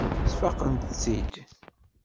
Sfaqent-k-id.